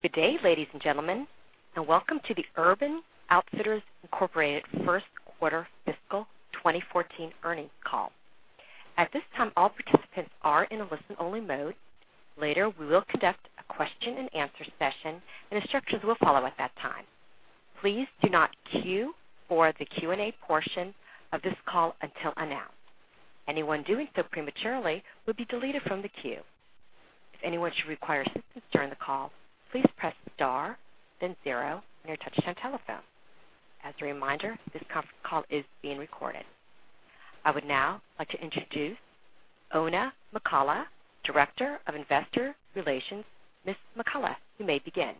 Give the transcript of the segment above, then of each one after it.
Good day, ladies and gentlemen, and welcome to the Urban Outfitters, Inc. first quarter fiscal 2014 earnings call. At this time, all participants are in a listen-only mode. Later, we will conduct a question and answer session, and instructions will follow at that time. Please do not queue for the Q&A portion of this call until announced. Anyone doing so prematurely will be deleted from the queue. If anyone should require assistance during the call, please press star then zero on your touchtone telephone. As a reminder, this conference call is being recorded. I would now like to introduce Oona McCullough, Director of Investor Relations. Ms. McCullough, you may begin.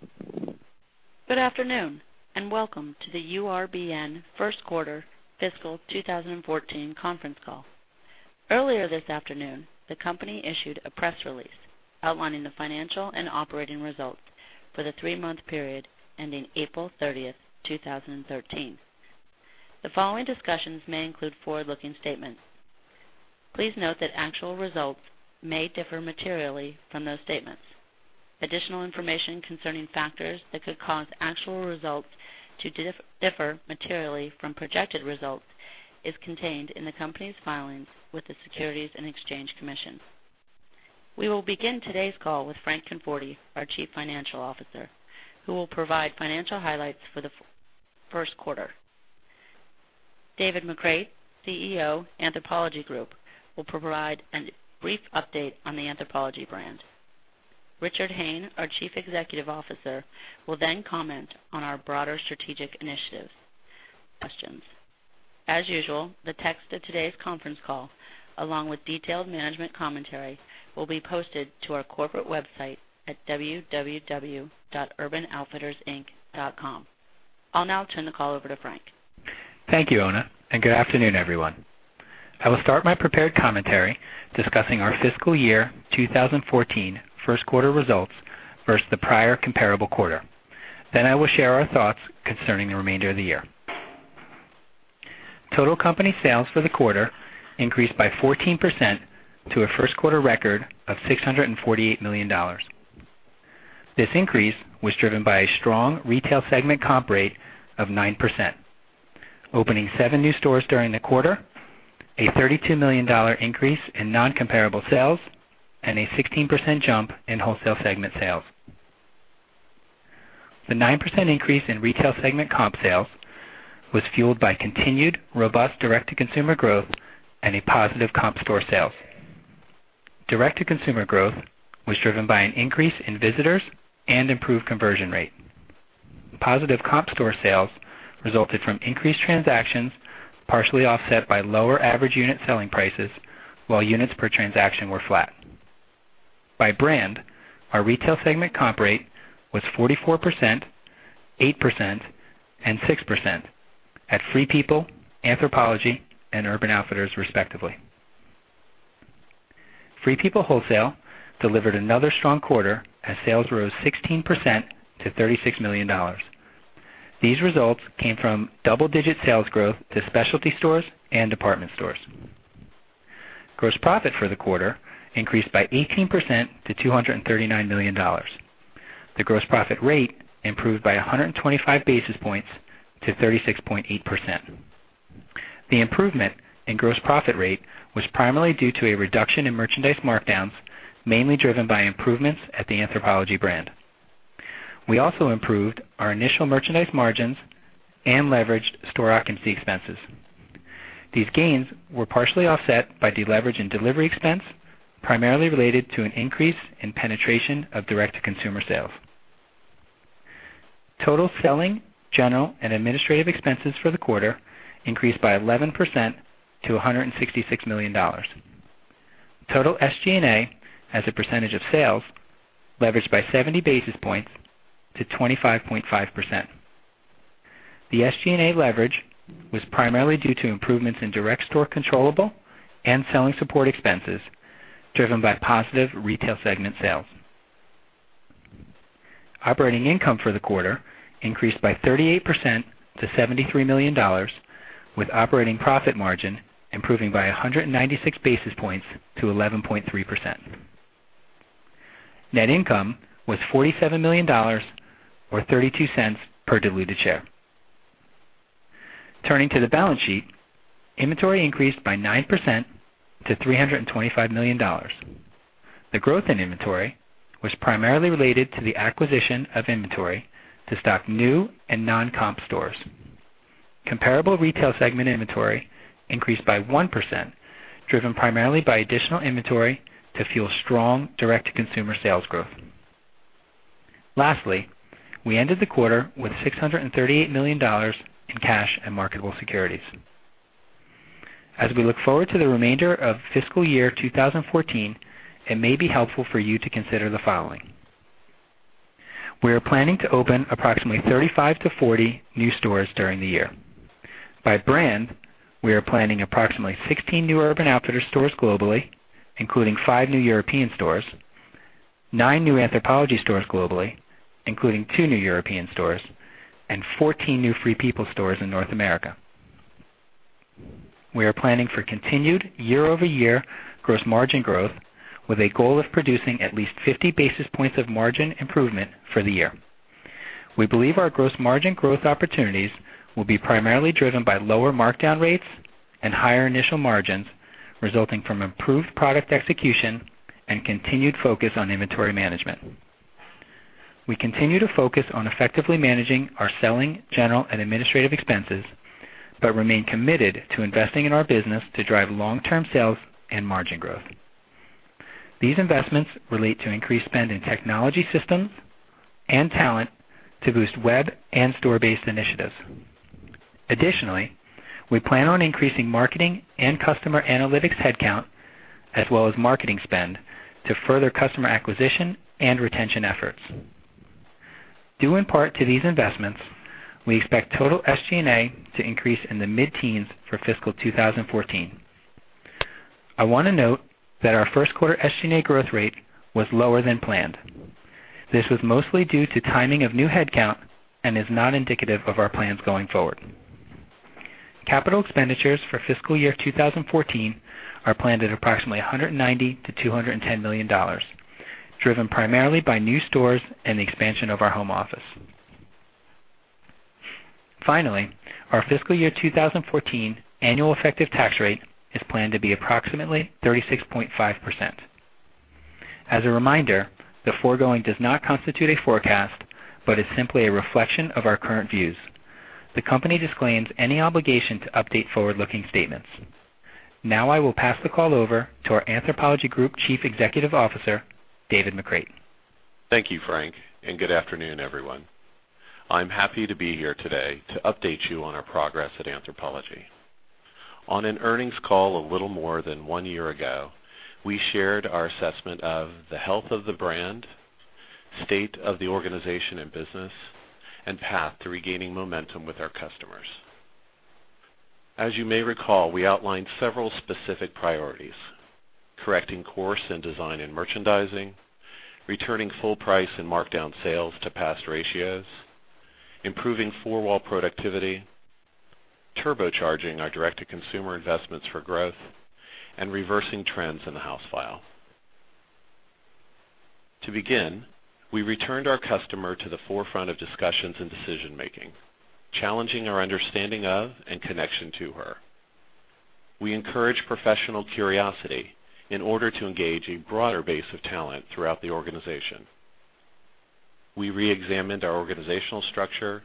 Good afternoon, and welcome to the URBN first-quarter fiscal 2014 conference call. Earlier this afternoon, the company issued a press release outlining the financial and operating results for the three-month period ending April 30th, 2013. The following discussions may include forward-looking statements. Please note that actual results may differ materially from those statements. Additional information concerning factors that could cause actual results to differ materially from projected results is contained in the company's filings with the Securities and Exchange Commission. We will begin today's call with Frank Conforti, our Chief Financial Officer, who will provide financial highlights for the first quarter. David McCreight, CEO, Anthropologie Group, will provide a brief update on the Anthropologie brand. Richard Hayne, our Chief Executive Officer, will comment on our broader strategic initiatives. Questions. As usual, the text of today's conference call, along with detailed management commentary, will be posted to our corporate website at www.urbanoutfittersinc.com. I'll now turn the call over to Frank. Thank you, Oona, and good afternoon, everyone. I will start my prepared commentary discussing our fiscal year 2014 first quarter results versus the prior comparable quarter. I will share our thoughts concerning the remainder of the year. Total company sales for the quarter increased by 14% to a first-quarter record of $648 million. This increase was driven by a strong retail segment comp rate of 9%, opening seven new stores during the quarter, a $32 million increase in non-comparable sales, and a 16% jump in wholesale segment sales. The 9% increase in retail segment comp sales was fueled by continued robust direct-to-consumer growth and a positive comp store sales. Direct-to-consumer growth was driven by an increase in visitors and improved conversion rate. Positive comp store sales resulted from increased transactions, partially offset by lower average unit selling prices, while units per transaction were flat. By brand, our retail segment comp rate was 44%, 8%, and 6% at Free People, Anthropologie, and Urban Outfitters, respectively. Free People wholesale delivered another strong quarter as sales rose 16% to $36 million. These results came from double-digit sales growth to specialty stores and department stores. Gross profit for the quarter increased by 18% to $239 million. The gross profit rate improved by 125 basis points to 36.8%. The improvement in gross profit rate was primarily due to a reduction in merchandise markdowns, mainly driven by improvements at the Anthropologie brand. We also improved our initial merchandise margins and leveraged store occupancy expenses. These gains were partially offset by deleverage in delivery expense, primarily related to an increase in penetration of direct-to-consumer sales. Total selling, general, and administrative expenses for the quarter increased by 11% to $166 million. Total SG&A, as a percentage of sales, leveraged by 70 basis points to 25.5%. The SG&A leverage was primarily due to improvements in direct store controllable and selling support expenses driven by positive retail segment sales. Operating income for the quarter increased by 38% to $73 million, with operating profit margin improving by 196 basis points to 11.3%. Net income was $47 million, or $0.32 per diluted share. Turning to the balance sheet, inventory increased by 9% to $325 million. The growth in inventory was primarily related to the acquisition of inventory to stock new and non-comp stores. Comparable retail segment inventory increased by 1%, driven primarily by additional inventory to fuel strong direct-to-consumer sales growth. Lastly, we ended the quarter with $638 million in cash and marketable securities. As we look forward to the remainder of fiscal year 2014, it may be helpful for you to consider the following. We are planning to open approximately 35 to 40 new stores during the year. By brand, we are planning approximately 16 new Urban Outfitters stores globally, including five new European stores, nine new Anthropologie stores globally, including two new European stores, and 14 new Free People stores in North America. We are planning for continued year-over-year gross margin growth with a goal of producing at least 50 basis points of margin improvement for the year. We believe our gross margin growth opportunities will be primarily driven by lower markdown rates and higher initial margins resulting from improved product execution and continued focus on inventory management. We continue to focus on effectively managing our selling, general, and administrative expenses. We remain committed to investing in our business to drive long-term sales and margin growth. These investments relate to increased spend in technology systems and talent to boost web and store-based initiatives. Additionally, we plan on increasing marketing and customer analytics headcount, as well as marketing spend, to further customer acquisition and retention efforts. Due in part to these investments, we expect total SG&A to increase in the mid-teens for fiscal 2014. I want to note that our first quarter SG&A growth rate was lower than planned. This was mostly due to timing of new headcount and is not indicative of our plans going forward. Capital expenditures for fiscal year 2014 are planned at approximately $190 to $210 million, driven primarily by new stores and the expansion of our home office. Our FY 2014 annual effective tax rate is planned to be approximately 36.5%. As a reminder, the foregoing does not constitute a forecast, but is simply a reflection of our current views. The company disclaims any obligation to update forward-looking statements. I will pass the call over to our Anthropologie Group Chief Executive Officer, David McCreight. Thank you, Frank, good afternoon, everyone. I'm happy to be here today to update you on our progress at Anthropologie. On an earnings call a little more than one year ago, we shared our assessment of the health of the brand, state of the organization and business, and path to regaining momentum with our customers. As you may recall, we outlined several specific priorities: correcting course in design and merchandising, returning full price and markdown sales to past ratios, improving four-wall productivity, turbocharging our direct-to-consumer investments for growth, and reversing trends in the house file. To begin, we returned our customer to the forefront of discussions and decision-making, challenging our understanding of and connection to her. We encourage professional curiosity in order to engage a broader base of talent throughout the organization. We re-examined our organizational structure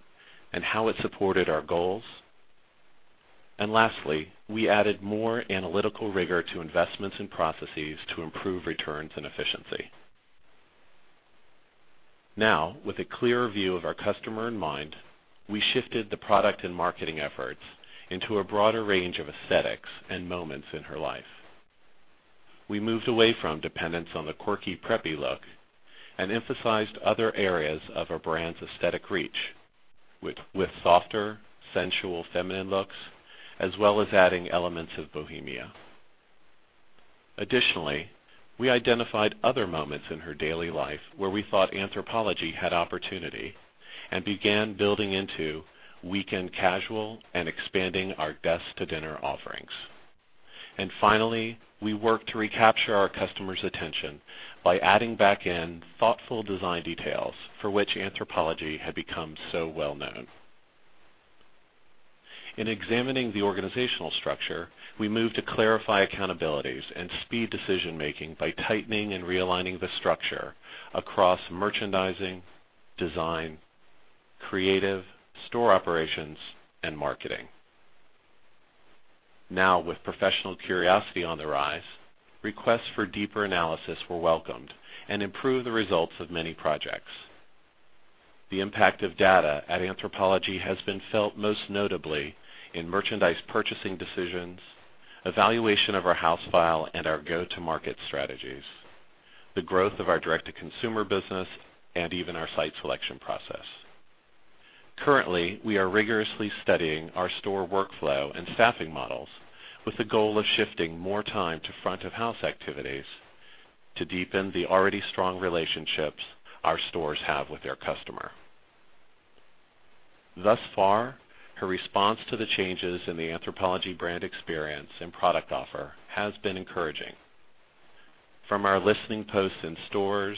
and how it supported our goals. Lastly, we added more analytical rigor to investments and processes to improve returns and efficiency. With a clearer view of our customer in mind, we shifted the product and marketing efforts into a broader range of aesthetics and moments in her life. We moved away from dependence on the quirky preppy look and emphasized other areas of our brand's aesthetic reach with softer, sensual, feminine looks, as well as adding elements of bohemia. Additionally, we identified other moments in her daily life where we thought Anthropologie had opportunity and began building into weekend casual and expanding our desk-to-dinner offerings. Finally, we worked to recapture our customers' attention by adding back in thoughtful design details for which Anthropologie had become so well-known. In examining the organizational structure, we moved to clarify accountabilities and speed decision-making by tightening and realigning the structure across merchandising, design, creative, store operations, and marketing. With professional curiosity on the rise, requests for deeper analysis were welcomed and improved the results of many projects. The impact of data at Anthropologie has been felt most notably in merchandise purchasing decisions, evaluation of our house file, and our go-to-market strategies, the growth of our direct-to-consumer business, and even our site selection process. Currently, we are rigorously studying our store workflow and staffing models with the goal of shifting more time to front-of-house activities to deepen the already strong relationships our stores have with their customer. Thus far, her response to the changes in the Anthropologie brand experience and product offer has been encouraging. From our listening posts in stores,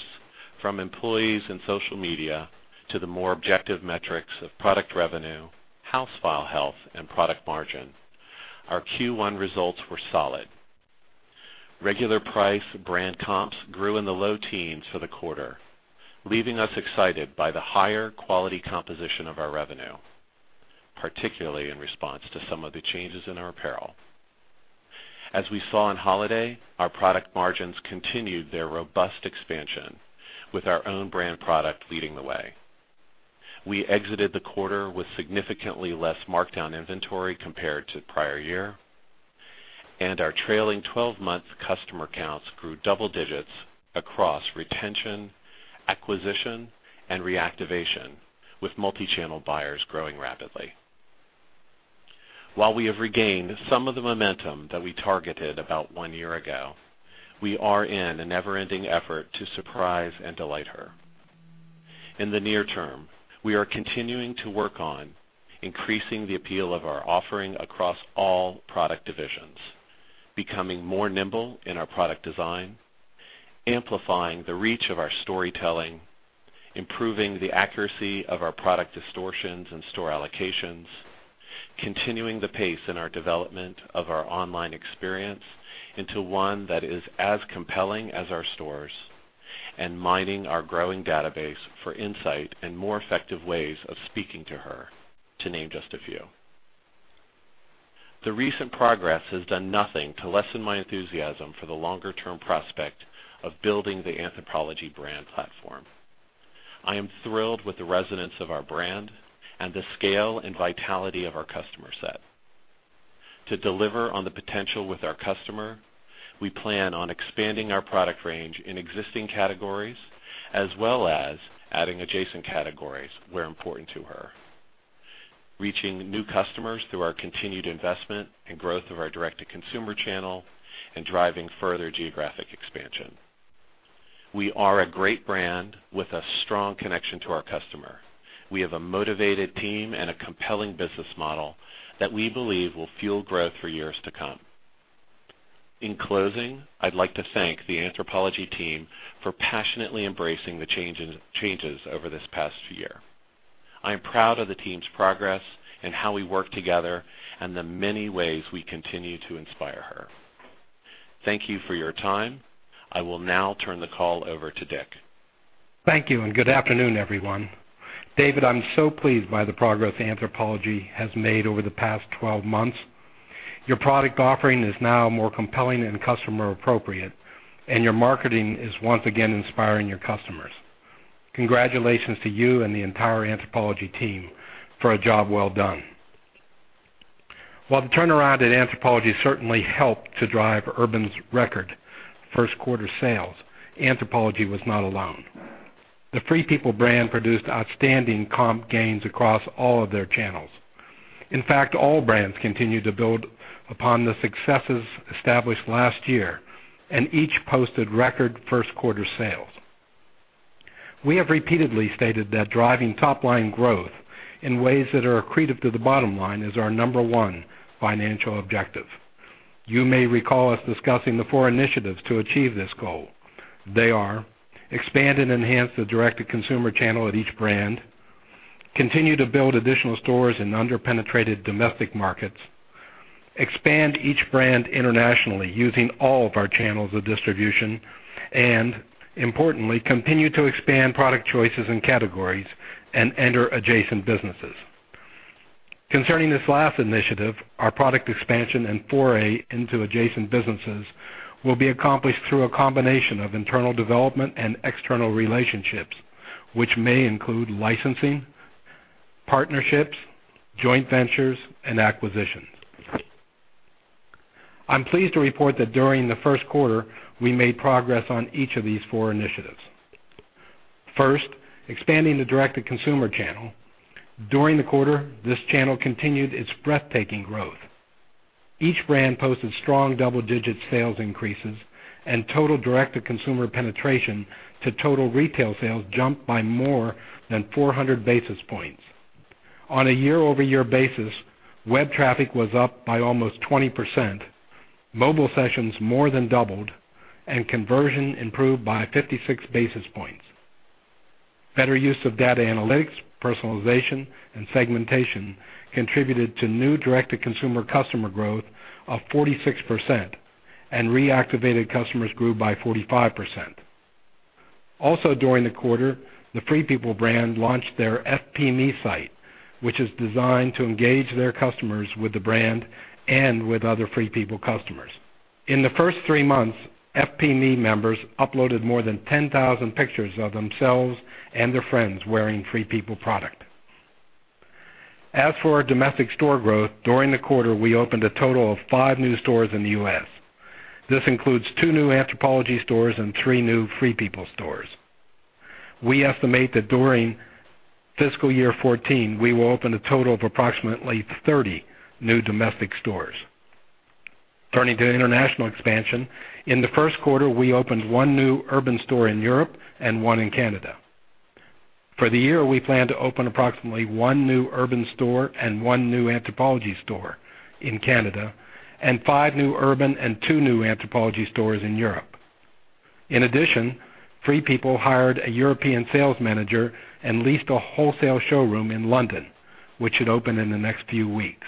from employees in social media, to the more objective metrics of product revenue, house file health, and product margin, our Q1 results were solid. Regular price brand comps grew in the low teens for the quarter, leaving us excited by the higher quality composition of our revenue, particularly in response to some of the changes in our apparel. As we saw in holiday, our product margins continued their robust expansion with our own brand product leading the way. We exited the quarter with significantly less markdown inventory compared to the prior year, and our trailing 12-month customer counts grew double digits across retention, acquisition, and reactivation, with multi-channel buyers growing rapidly. While we have regained some of the momentum that we targeted about one year ago, we are in a never-ending effort to surprise and delight her. In the near term, we are continuing to work on increasing the appeal of our offering across all product divisions, becoming more nimble in our product design, amplifying the reach of our storytelling, improving the accuracy of our product distortions and store allocations, continuing the pace in our development of our online experience into one that is as compelling as our stores, and mining our growing database for insight and more effective ways of speaking to her, to name just a few. The recent progress has done nothing to lessen my enthusiasm for the longer-term prospect of building the Anthropologie brand platform. I am thrilled with the resonance of our brand and the scale and vitality of our customer set. To deliver on the potential with our customer, we plan on expanding our product range in existing categories, as well as adding adjacent categories where important to her. Reaching new customers through our continued investment and growth of our direct-to-consumer channel, and driving further geographic expansion. We are a great brand with a strong connection to our customer. We have a motivated team and a compelling business model that we believe will fuel growth for years to come. In closing, I'd like to thank the Anthropologie team for passionately embracing the changes over this past year. I am proud of the team's progress and how we work together, and the many ways we continue to inspire her. Thank you for your time. I will now turn the call over to Dick. Thank you. Good afternoon, everyone. David, I'm so pleased by the progress Anthropologie has made over the past 12 months. Your product offering is now more compelling and customer appropriate, and your marketing is once again inspiring your customers. Congratulations to you and the entire Anthropologie team for a job well done. While the turnaround at Anthropologie certainly helped to drive Urban's record first quarter sales, Anthropologie was not alone. The Free People brand produced outstanding comp gains across all of their channels. In fact, all brands continued to build upon the successes established last year, and each posted record first quarter sales. We have repeatedly stated that driving top-line growth in ways that are accretive to the bottom line is our number one financial objective. You may recall us discussing the four initiatives to achieve this goal. They are: expand and enhance the direct-to-consumer channel at each brand, continue to build additional stores in under-penetrated domestic markets, expand each brand internationally using all of our channels of distribution, and importantly, continue to expand product choices and categories and enter adjacent businesses. Concerning this last initiative, our product expansion and foray into adjacent businesses will be accomplished through a combination of internal development and external relationships, which may include licensing, partnerships, joint ventures, and acquisitions. I'm pleased to report that during the first quarter, we made progress on each of these four initiatives. First, expanding the direct-to-consumer channel. During the quarter, this channel continued its breathtaking growth. Each brand posted strong double-digit sales increases and total direct-to-consumer penetration to total retail sales jumped by more than 400 basis points. On a year-over-year basis, web traffic was up by almost 20%, mobile sessions more than doubled, and conversion improved by 56 basis points. Better use of data analytics, personalization, and segmentation contributed to new direct-to-consumer customer growth of 46%, and reactivated customers grew by 45%. Also, during the quarter, the Free People brand launched their FP Me site, which is designed to engage their customers with the brand and with other Free People customers. In the first three months, FP Me members uploaded more than 10,000 pictures of themselves and their friends wearing Free People product. As for our domestic store growth, during the quarter, we opened a total of five new stores in the U.S. This includes two new Anthropologie stores and three new Free People stores. We estimate that during fiscal year 2014, we will open a total of approximately 30 new domestic stores. Turning to international expansion. In the first quarter, we opened one new Urban store in Europe and one in Canada. For the year, we plan to open approximately one new Urban store and one new Anthropologie store in Canada and five new Urban and two new Anthropologie stores in Europe. In addition, Free People hired a European sales manager and leased a wholesale showroom in London, which should open in the next few weeks.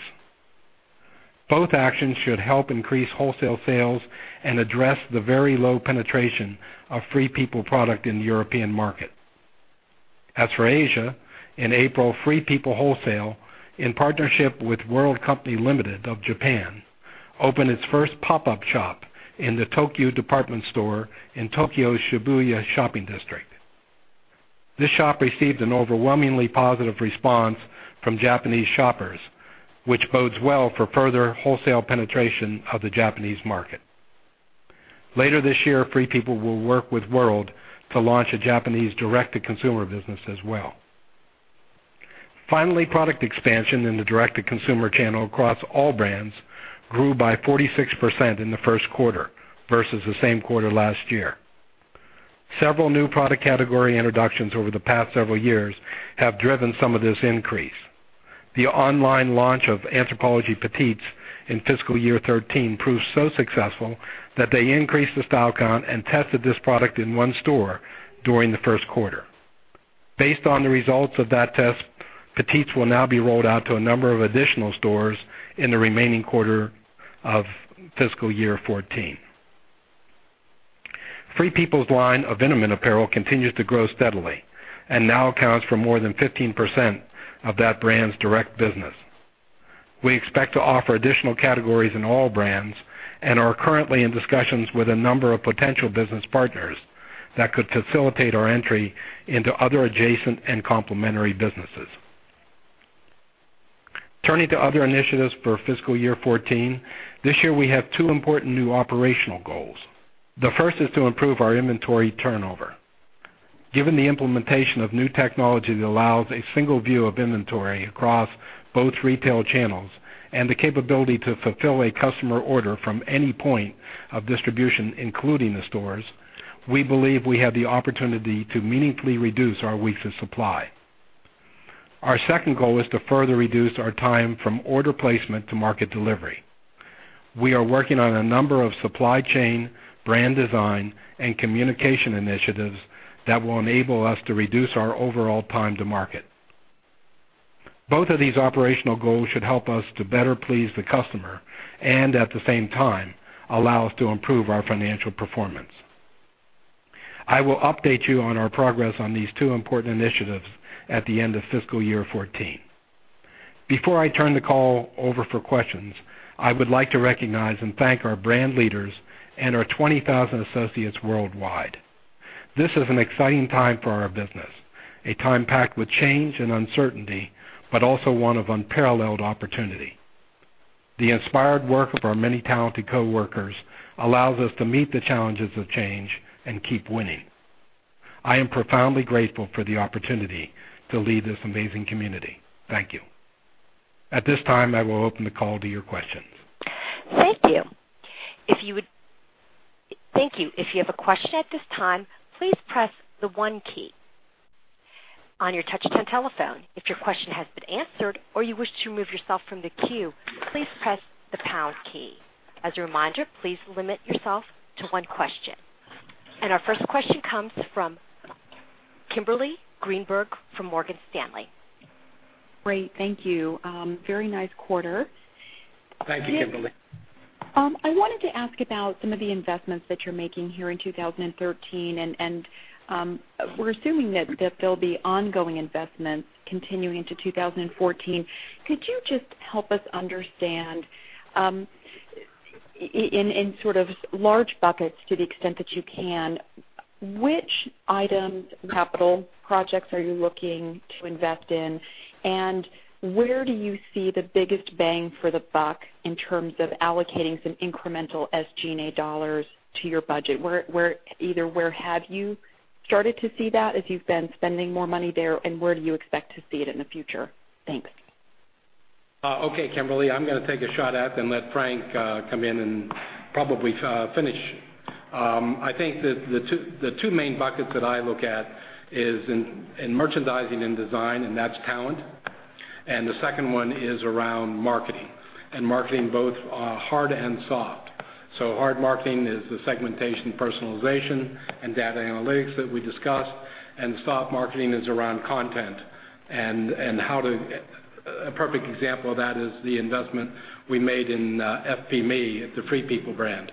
Both actions should help increase wholesale sales and address the very low penetration of Free People product in the European market. As for Asia, in April, Free People Wholesale, in partnership with World Co., Ltd. of Japan, opened its first pop-up shop in the Tokyu Department Store in Tokyo's Shibuya shopping district. This shop received an overwhelmingly positive response from Japanese shoppers, which bodes well for further wholesale penetration of the Japanese market. Later this year, Free People will work with World to launch a Japanese direct-to-consumer business as well. Finally, product expansion in the direct-to-consumer channel across all brands grew by 46% in the first quarter versus the same quarter last year. Several new product category introductions over the past several years have driven some of this increase. The online launch of Anthropologie Petites in fiscal year 2013 proved so successful that they increased the style count and tested this product in one store during the first quarter. Based on the results of that test, Petites will now be rolled out to a number of additional stores in the remaining quarter of fiscal year 2014. Free People's line of intimate apparel continues to grow steadily and now accounts for more than 15% of that brand's direct business. We expect to offer additional categories in all brands and are currently in discussions with a number of potential business partners that could facilitate our entry into other adjacent and complementary businesses. Turning to other initiatives for fiscal year 2014, this year, we have two important new operational goals. The first is to improve our inventory turnover. Given the implementation of new technology that allows a single view of inventory across both retail channels and the capability to fulfill a customer order from any point of distribution, including the stores, we believe we have the opportunity to meaningfully reduce our weeks of supply. Our second goal is to further reduce our time from order placement to market delivery. We are working on a number of supply chain, brand design, and communication initiatives that will enable us to reduce our overall time to market. Both of these operational goals should help us to better please the customer and, at the same time, allow us to improve our financial performance. I will update you on our progress on these two important initiatives at the end of fiscal year 2014. Before I turn the call over for questions, I would like to recognize and thank our brand leaders and our 20,000 associates worldwide. This is an exciting time for our business, a time packed with change and uncertainty, but also one of unparalleled opportunity. The inspired work of our many talented coworkers allows us to meet the challenges of change and keep winning. I am profoundly grateful for the opportunity to lead this amazing community. Thank you. At this time, I will open the call to your questions. Thank you. If you have a question at this time, please press the one key on your touch-tone telephone. If your question has been answered or you wish to remove yourself from the queue, please press the pound key. As a reminder, please limit yourself to one question. Our first question comes from Kimberly Greenberger from Morgan Stanley. Great. Thank you. Very nice quarter. Thank you, Kimberly. I wanted to ask about some of the investments that you're making here in 2013, and we're assuming that there'll be ongoing investments continuing into 2014. Could you just help us understand, in large buckets, to the extent that you can, which items, capital projects are you looking to invest in, and where do you see the biggest bang for the buck in terms of allocating some incremental SG&A dollars to your budget? Either where have you started to see that as you've been spending more money there, and where do you expect to see it in the future? Thanks. Okay, Kimberly, I'm going to take a shot at it, then let Frank come in and probably finish. I think that the two main buckets that I look at is in merchandising and design, and that's talent. The second one is around marketing, and marketing both hard and soft. Hard marketing is the segmentation, personalization, and data analytics that we discussed, and soft marketing is around content. A perfect example of that is the investment we made in FP Me at the Free People brand.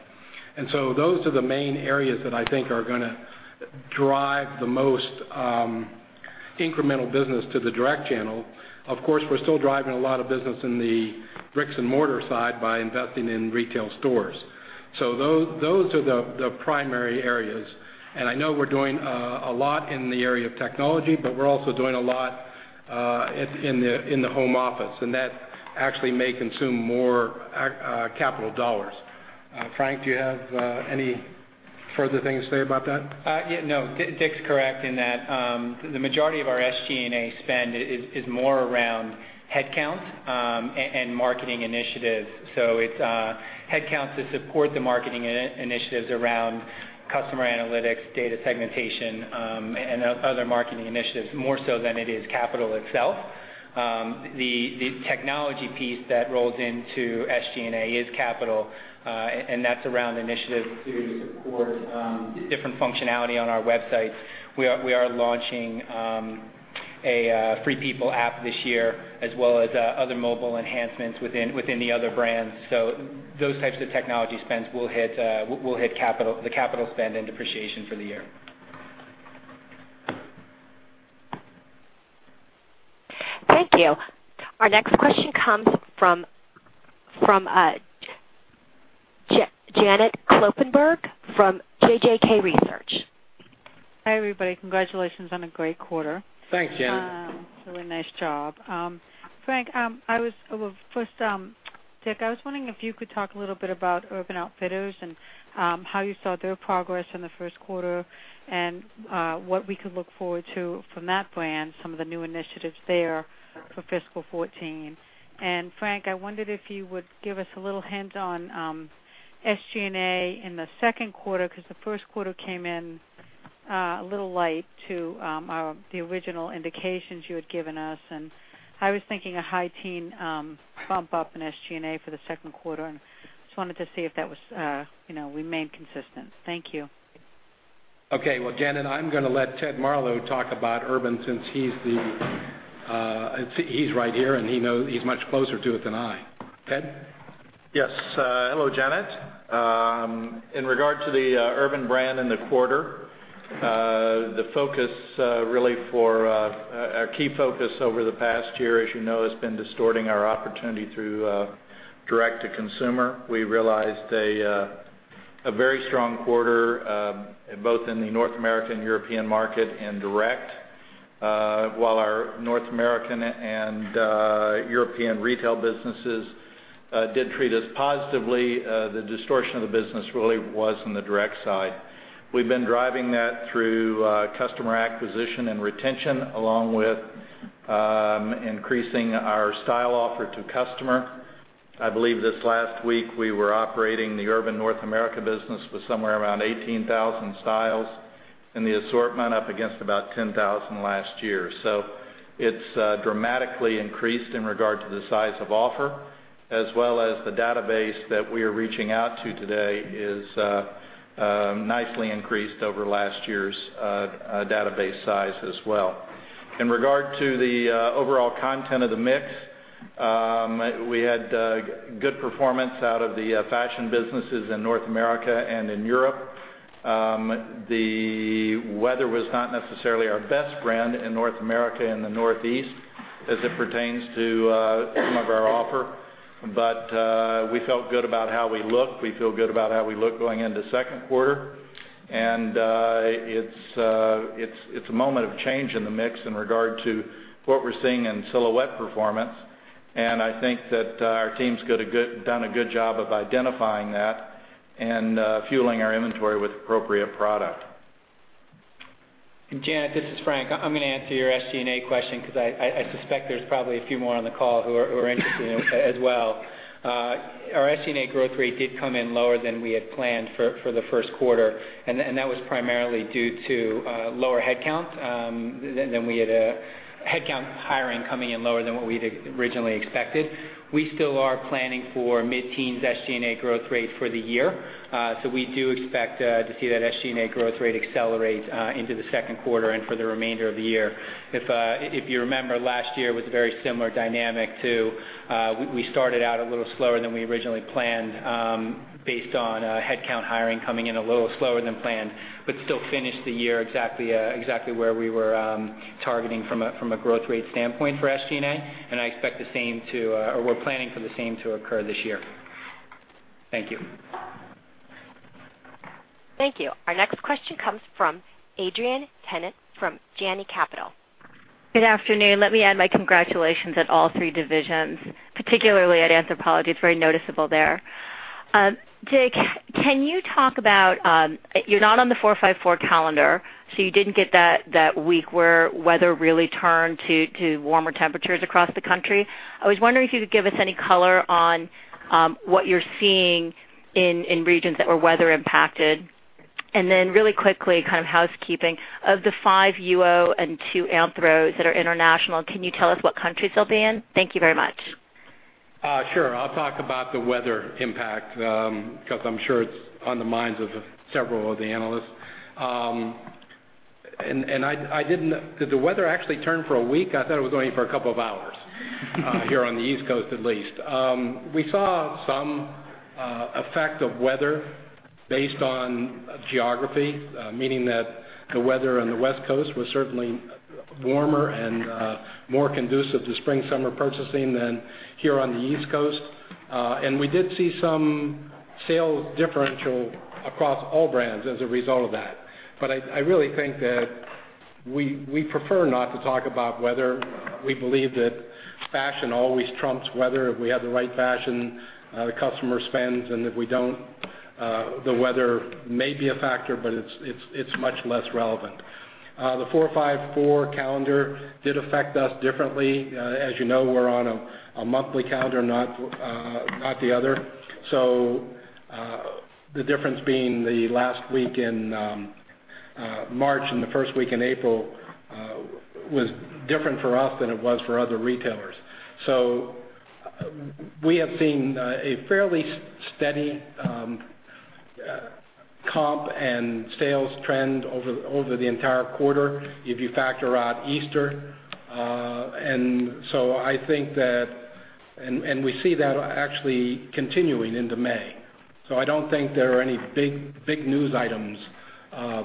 Those are the main areas that I think are going to drive the most incremental business to the direct channel. Of course, we're still driving a lot of business in the bricks and mortar side by investing in retail stores. Those are the primary areas. I know we're doing a lot in the area of technology, but we're also doing a lot in the home office, and that actually may consume more capital dollars. Frank, do you have any further things to say about that? No. Dick's correct in that the majority of our SG&A spend is more around headcount and marketing initiatives. It's headcount to support the marketing initiatives around customer analytics, data segmentation, and other marketing initiatives, more so than it is capital itself. The technology piece that rolls into SG&A is capital, and that's around initiatives to support different functionality on our websites. We are launching a Free People app this year as well as other mobile enhancements within the other brands. Those types of technology spends will hit the capital spend and depreciation for the year. Thank you. Our next question comes from Janet Kloppenburg from JJK Research. Hi, everybody. Congratulations on a great quarter. Thanks, Janet. Really nice job. Frank, Dick, I was wondering if you could talk a little bit about Urban Outfitters and how you saw their progress in the first quarter, and what we could look forward to from that brand, some of the new initiatives there for fiscal 2014. Frank, I wondered if you would give us a little hint on SG&A in the second quarter, because the first quarter came in a little light to the original indications you had given us. I was thinking a high teen bump up in SG&A for the second quarter, and just wanted to see if that remained consistent. Thank you. Okay. Well, Janet, I'm going to let Tedford Marlow talk about Urban since he's right here, and he's much closer to it than I. Ted? Yes. Hello, Janet. In regard to the Urban brand in the quarter, our key focus over the past year, as you know, has been distorting our opportunity through direct to consumer. We realized a very strong quarter both in the North American, European market and direct. While our North American and European retail businesses did treat us positively, the distortion of the business really was in the direct side. We've been driving that through customer acquisition and retention, along with increasing our style offer to customer. I believe this last week we were operating the Urban North America business with somewhere around 18,000 styles in the assortment, up against about 10,000 last year. It's dramatically increased in regard to the size of offer, as well as the database that we are reaching out to today is nicely increased over last year's database size as well. In regard to the overall content of the mix, we had good performance out of the fashion businesses in North America and in Europe. The weather was not necessarily our best brand in North America and the Northeast as it pertains to some of our offer. We felt good about how we look, we feel good about how we look going into the second quarter. It's a moment of change in the mix in regard to what we're seeing in silhouette performance. I think that our team's done a good job of identifying that and fueling our inventory with appropriate product. Janet, this is Frank. I'm going to answer your SG&A question because I suspect there's probably a few more on the call who are interested in it as well. Our SG&A growth rate did come in lower than we had planned for the first quarter, that was primarily due to lower headcount. Headcount hiring coming in lower than what we'd originally expected. We still are planning for mid-teens SG&A growth rate for the year. We do expect to see that SG&A growth rate accelerate into the second quarter and for the remainder of the year. If you remember, last year was a very similar dynamic too. We started out a little slower than we originally planned, based on headcount hiring coming in a little slower than planned, still finished the year exactly where we were targeting from a growth rate standpoint for SG&A. We're planning for the same to occur this year. Thank you. Thank you. Our next question comes from Adrienne Tennant from Janney Capital. Good afternoon. Let me add my congratulations at all three divisions, particularly at Anthropologie. It's very noticeable there. Dick, can you talk about You're not on the 4-5-4 calendar, so you didn't get that week where weather really turned to warmer temperatures across the country. I was wondering if you could give us any color on what you're seeing in regions that were weather impacted. Then really quickly, kind of housekeeping. Of the five UO and two Anthros that are international, can you tell us what countries they'll be in? Thank you very much. Sure. I'll talk about the weather impact, because I'm sure it's on the minds of several of the analysts. Did the weather actually turn for a week? I thought it was only for a couple of hours here on the East Coast, at least. We saw some effect of weather based on geography. Meaning that the weather on the West Coast was certainly warmer and more conducive to spring-summer purchasing than here on the East Coast. We did see some sales differential across all brands as a result of that. I really think that we prefer not to talk about weather. We believe that fashion always trumps weather. If we have the right fashion, the customer spends, and if we don't, the weather may be a factor, but it's much less relevant. The 4-5-4 calendar did affect us differently. As you know, we're on a monthly calendar, not the other. The difference being the last week in March and the first week in April was different for us than it was for other retailers. We have seen a fairly steady comp and sales trend over the entire quarter if you factor out Easter. We see that actually continuing into May. I don't think there are any big news items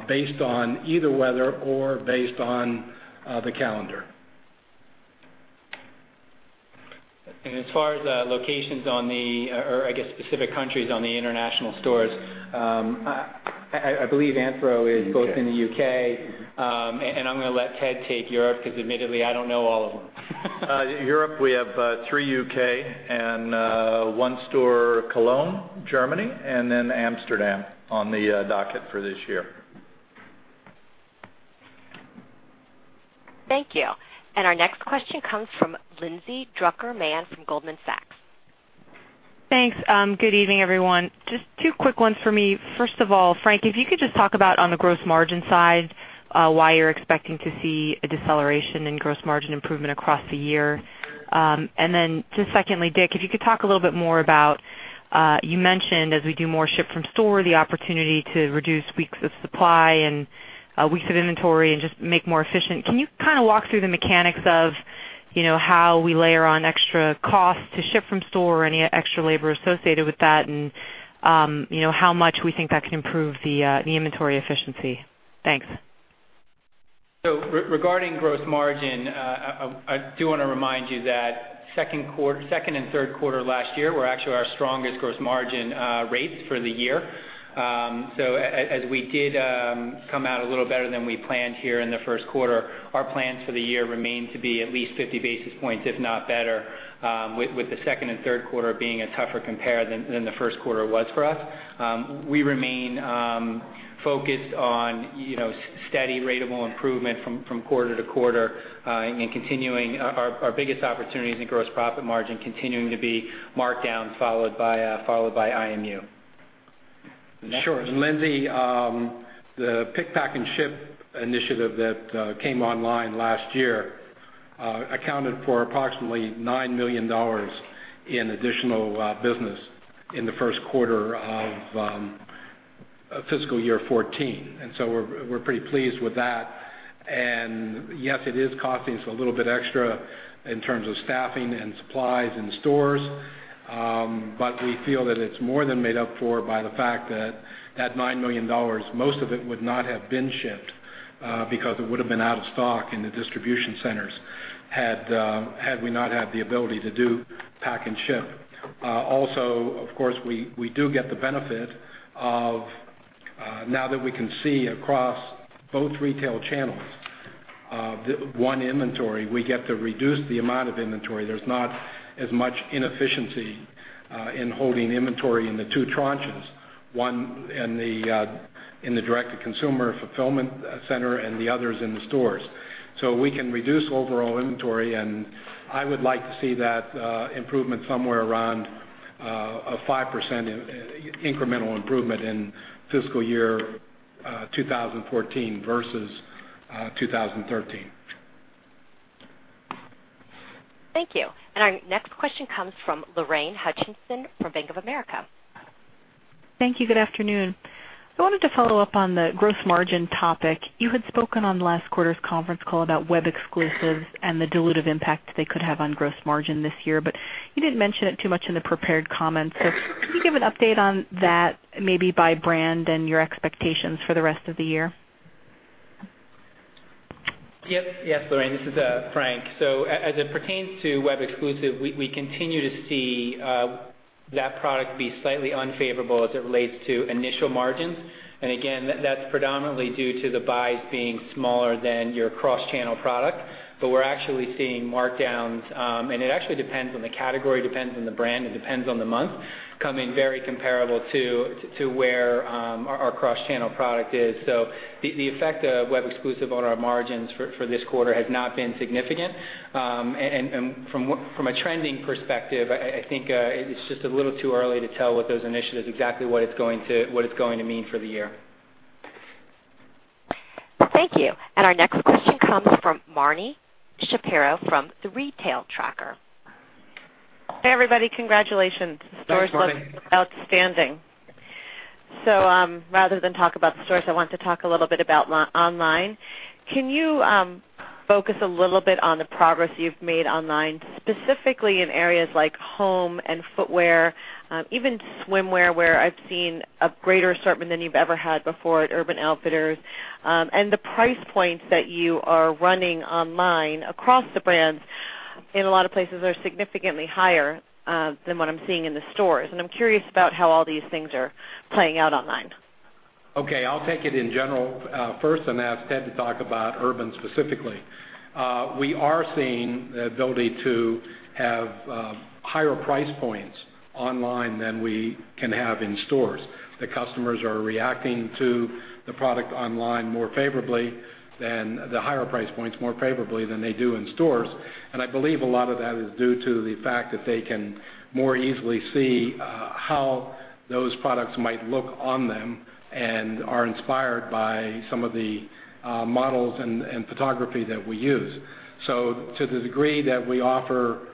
based on either weather or based on the calendar. As far as locations or, I guess, specific countries on the international stores- I believe Anthro is both in the U.K. I'm going to let Ted take Europe because admittedly I don't know all of them. Europe, we have three U.K. and one store, Cologne, Germany, and then Amsterdam on the docket for this year. Thank you. Our next question comes from Lindsay Drucker Mann from Goldman Sachs. Thanks. Good evening, everyone. Just two quick ones for me. First of all, Frank, if you could just talk about on the gross margin side, why you're expecting to see a deceleration in gross margin improvement across the year. Secondly, Dick, if you could talk a little bit more about, you mentioned as we do more ship from store, the opportunity to reduce weeks of supply and weeks of inventory and just make more efficient. Can you walk through the mechanics of how we layer on extra costs to ship from store or any extra labor associated with that and how much we think that can improve the inventory efficiency? Thanks. Regarding gross margin, I do want to remind you that second and third quarter last year were actually our strongest gross margin rates for the year. As we did come out a little better than we planned here in the first quarter, our plans for the year remain to be at least 50 basis points, if not better, with the second and third quarter being a tougher compare than the first quarter was for us. We remain focused on steady ratable improvement from quarter to quarter, our biggest opportunities in gross profit margin continuing to be markdowns followed by IMU. Sure. Lindsay, the Pick, Pack, and Ship Initiative that came online last year accounted for approximately $9 million in additional business in the first quarter of fiscal year 2014. So we're pretty pleased with that. Yes, it is costing us a little bit extra in terms of staffing and supplies in stores. We feel that it's more than made up for by the fact that that $9 million, most of it would not have been shipped because it would've been out of stock in the distribution centers had we not had the ability to do pack and ship. Of course, we do get the benefit of now that we can see across both retail channels, one inventory, we get to reduce the amount of inventory. There's not as much inefficiency in holding inventory in the two tranches, one in the direct-to-consumer fulfillment center and the others in the stores. We can reduce overall inventory, and I would like to see that improvement somewhere around a 5% incremental improvement in fiscal year 2014 versus 2013. Thank you. Our next question comes from Lorraine Hutchinson from Bank of America. Thank you. Good afternoon. I wanted to follow up on the gross margin topic. You had spoken on last quarter's conference call about web exclusives and the dilutive impact they could have on gross margin this year. You didn't mention it too much in the prepared comments. Can you give an update on that, maybe by brand and your expectations for the rest of the year? Yes, Lorraine, this is Frank. As it pertains to web exclusive, we continue to see that product be slightly unfavorable as it relates to initial margins. Again, that's predominantly due to the buys being smaller than your cross-channel product. We're actually seeing markdowns, and it actually depends on the category, depends on the brand, it depends on the month, coming very comparable to where our cross-channel product is. The effect of web exclusive on our margins for this quarter has not been significant. From a trending perspective, I think it's just a little too early to tell with those initiatives exactly what it's going to mean for the year. Thank you. Our next question comes from Marni Shapiro from The Retail Tracker. Hey, everybody. Congratulations. Thanks, Marni. The stores look outstanding. Rather than talk about the stores, I want to talk a little bit about online. Can you focus a little bit on the progress you've made online, specifically in areas like home and footwear, even swimwear, where I've seen a greater assortment than you've ever had before at Urban Outfitters. The price points that you are running online across the brands in a lot of places are significantly higher than what I'm seeing in the stores, and I'm curious about how all these things are playing out online. Okay, I'll take it in general first and ask Ted to talk about Urban specifically. We are seeing the ability to have higher price points online than we can have in stores. The customers are reacting to the product online more favorably than the higher price points, more favorably than they do in stores. I believe a lot of that is due to the fact that they can more easily see how those products might look on them and are inspired by some of the models and photography that we use. To the degree that we offer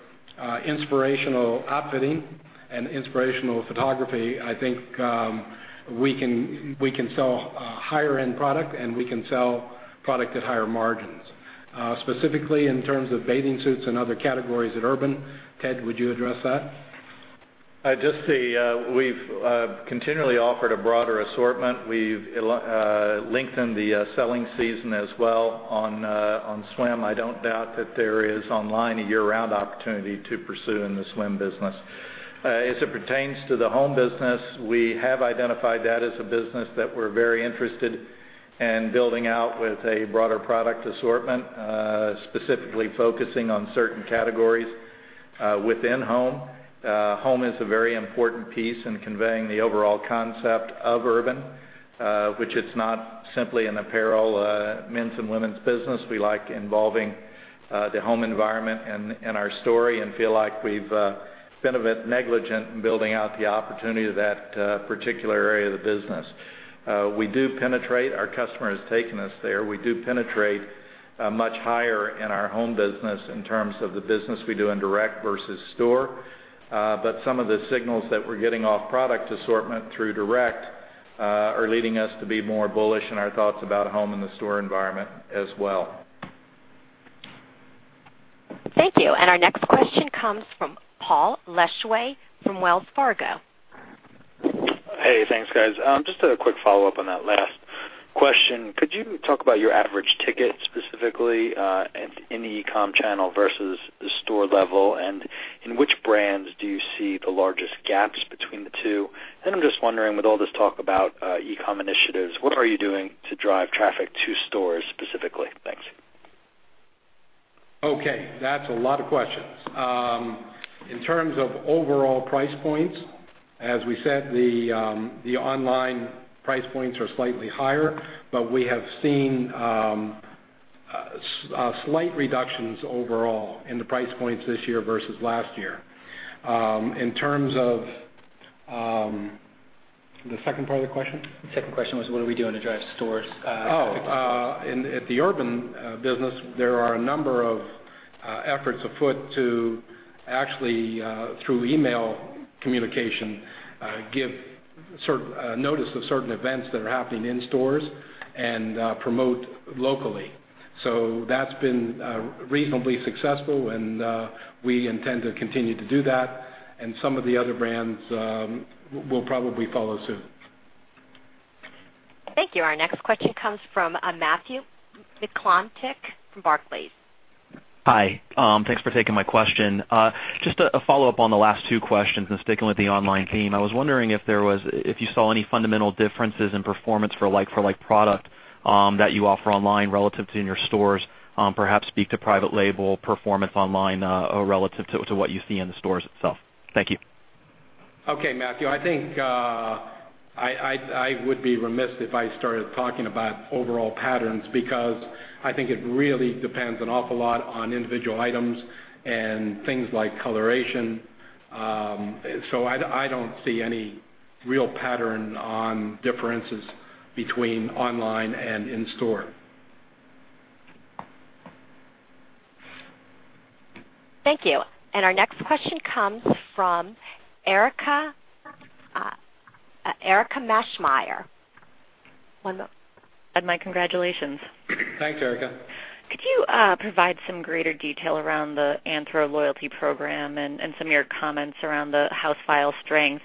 inspirational outfitting and inspirational photography, I think we can sell higher-end product and we can sell product at higher margins. Specifically in terms of bathing suits and other categories at Urban, Ted, would you address that? I just see we've continually offered a broader assortment. We've lengthened the selling season as well on swim. I don't doubt that there is online a year-round opportunity to pursue in the swim business. As it pertains to the home business, we have identified that as a business that we're very interested in building out with a broader product assortment, specifically focusing on certain categories within home. Home is a very important piece in conveying the overall concept of Urban, which it's not simply an apparel men's and women's business. We like involving the home environment in our story and feel like we've been a bit negligent in building out the opportunity of that particular area of the business. Our customer has taken us there. We do penetrate much higher in our home business in terms of the business we do in direct versus store. Some of the signals that we're getting off product assortment through direct are leading us to be more bullish in our thoughts about home in the store environment as well. Thank you. Our next question comes from Paul Lejuez from Wells Fargo. Hey, thanks, guys. Just a quick follow-up on that last question. Could you talk about your average ticket specifically in the e-com channel versus the store level? In which brands do you see the largest gaps between the two? I'm just wondering, with all this talk about e-com initiatives, what are you doing to drive traffic to stores specifically? Thanks. Okay, that's a lot of questions. In terms of overall price points, as we said, the online price points are slightly higher, we have seen slight reductions overall in the price points this year versus last year. In terms of the second part of the question? The second question was what are we doing to drive stores. Oh. At the Urban Outfitters business, there are a number of efforts afoot to actually, through email communication, give notice of certain events that are happening in stores and promote locally. That's been reasonably successful, and we intend to continue to do that, and some of the other brands will probably follow soon. Thank you. Our next question comes from Matthew McClintock from Barclays. Hi. Thanks for taking my question. Just a follow-up on the last two questions and sticking with the online theme. I was wondering if you saw any fundamental differences in performance for like product that you offer online relative to in your stores. Perhaps speak to private label performance online relative to what you see in the stores itself. Thank you. Okay, Matthew. I think I would be remiss if I started talking about overall patterns because I think it really depends an awful lot on individual items and things like coloration. I don't see any real pattern on differences between online and in-store. Thank you. Our next question comes from Erika Esmay. Ted, my congratulations. Thanks, Erika. Could you provide some greater detail around the Anthro loyalty program and some of your comments around the house file strength?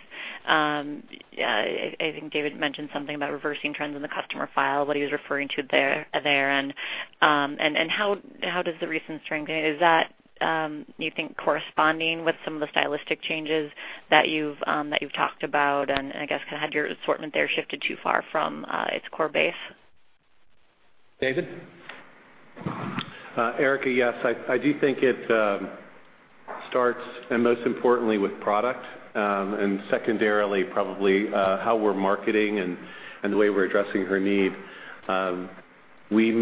I think David mentioned something about reversing trends in the customer file, what he was referring to there. How does the recent strength, is that, you think, corresponding with some of the stylistic changes that you've talked about? I guess, had your assortment there shifted too far from its core base? David? Erika, yes. I do think it starts, and most importantly, with product, and secondarily, probably how we're marketing and the way we're addressing her need. We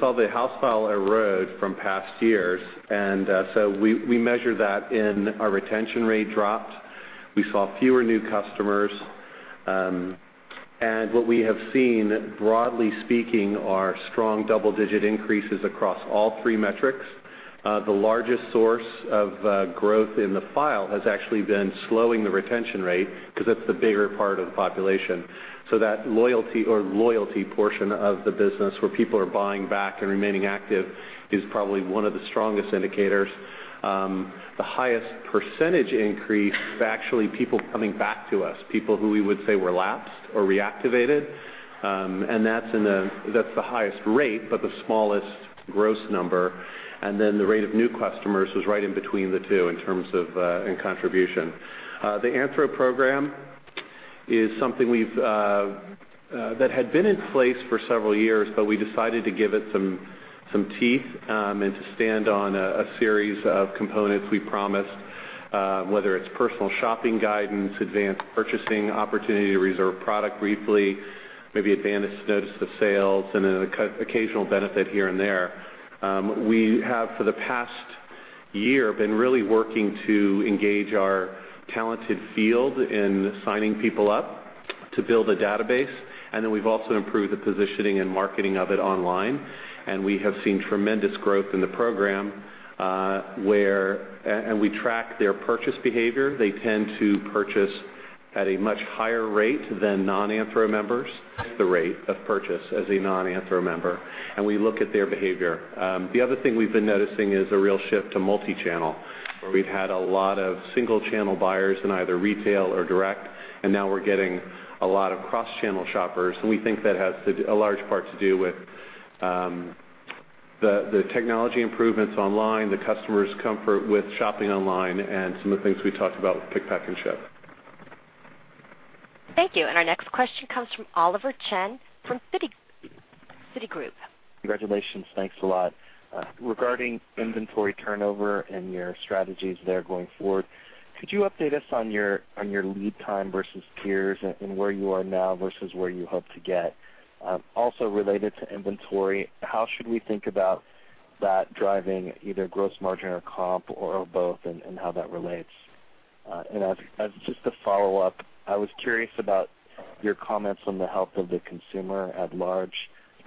saw the house file erode from past years, we measured that in our retention rate dropped. We saw fewer new customers. What we have seen, broadly speaking, are strong double-digit increases across all three metrics. The largest source of growth in the file has actually been slowing the retention rate because that's the bigger part of the population. That loyalty or loyalty portion of the business where people are buying back and remaining active is probably one of the strongest indicators. The highest percentage increase is actually people coming back to us, people who we would say were lapsed or reactivated, and that's the highest rate, but the smallest gross number. The rate of new customers was right in between the two in terms of in contribution. The Anthro program is something that had been in place for several years, but we decided to give it some teeth and to stand on a series of components we promised whether it's personal shopping guidance, advanced purchasing opportunity to reserve product briefly, maybe advanced notice of sales, and then an occasional benefit here and there. We have, for the past year, been really working to engage our talented field in signing people up to build a database. We've also improved the positioning and marketing of it online. We have seen tremendous growth in the program where we track their purchase behavior. They tend to purchase at a much higher rate than non-Anthro members. The rate of purchase as a non-Anthro member, and we look at their behavior. The other thing we've been noticing is a real shift to multi-channel, where we've had a lot of single-channel buyers in either retail or direct, and now we're getting a lot of cross-channel shoppers. We think that has a large part to do with the technology improvements online, the customer's comfort with shopping online, and some of the things we talked about with Pick, Pack, and Ship. Thank you. Our next question comes from Oliver Chen from Citigroup. Congratulations. Thanks a lot. Regarding inventory turnover and your strategies there going forward, could you update us on your lead time versus peers and where you are now versus where you hope to get? Also related to inventory, how should we think about that driving either gross margin or comp or both, and how that relates? Just a follow-up, I was curious about your comments on the health of the consumer at large.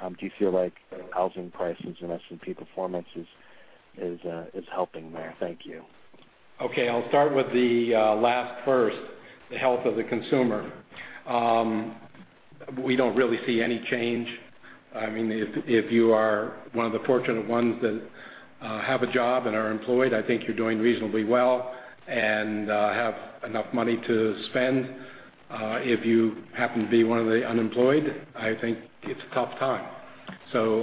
Do you feel like housing prices and S&P performance is helping there? Thank you. Okay. I'll start with the last first, the health of the consumer. We don't really see any change. If you are one of the fortunate ones that have a job and are employed, I think you're doing reasonably well and have enough money to spend. If you happen to be one of the unemployed, I think it's a tough time.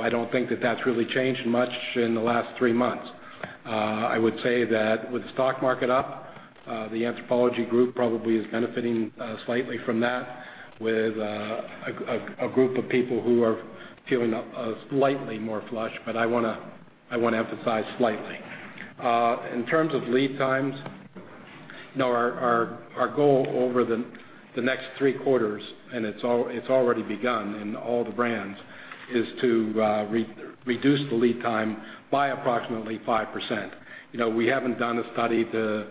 I don't think that's really changed much in the last three months. I would say that with the stock market up, the Anthropologie Group probably is benefiting slightly from that with a group of people who are feeling slightly more flush, but I want to emphasize slightly. In terms of lead times, our goal over the next three quarters, and it's already begun in all the brands, is to reduce the lead time by approximately 5%. We haven't done a study to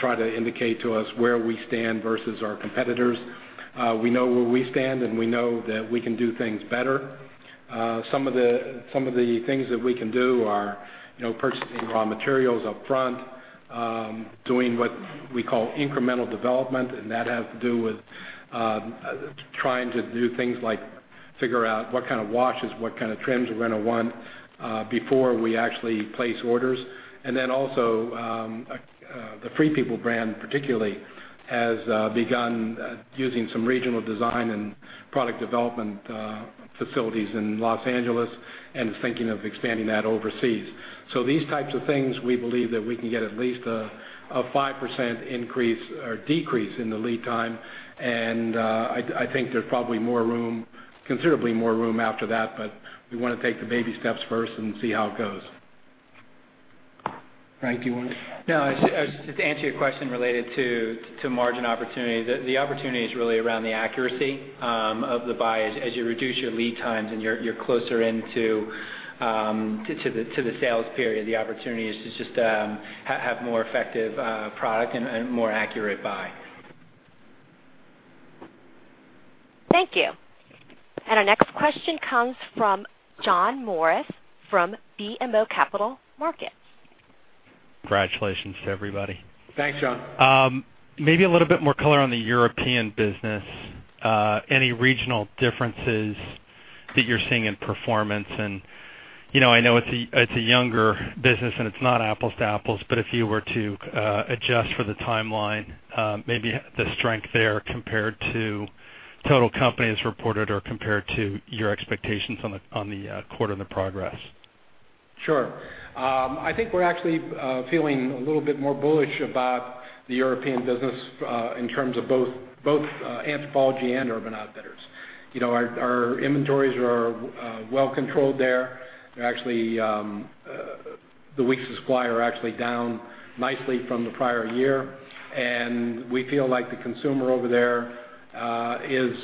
try to indicate to us where we stand versus our competitors. We know where we stand, and we know that we can do things better. Some of the things that we can do are purchasing raw materials upfront, doing what we call incremental development, and that has to do with trying to do things like figure out what kind of washes, what kind of trims we're going to want before we actually place orders. Then also, the Free People brand particularly has begun using some regional design and product development facilities in Los Angeles and is thinking of expanding that overseas. These types of things, we believe that we can get at least a 5% decrease in the lead time, and I think there's probably considerably more room after that, but we want to take the baby steps first and see how it goes. Frank, do you want to- No. To answer your question related to margin opportunity, the opportunity is really around the accuracy of the buys. As you reduce your lead times and you're closer to the sales period, the opportunity is to just have more effective product and more accurate buy. Thank you. Our next question comes from John Morris from BMO Capital Markets. Congratulations to everybody. Thanks, John. Maybe a little bit more color on the European business. Any regional differences that you're seeing in performance? I know it's a younger business, and it's not apples to apples, but if you were to adjust for the timeline maybe the strength there compared to total companies reported or compared to your expectations on the quarter and the progress. Sure. I think we're actually feeling a little bit more bullish about the European business in terms of both Anthropologie and Urban Outfitters. Our inventories are well controlled there. The weeks of supply are actually down nicely from the prior year, and we feel like the consumer over there is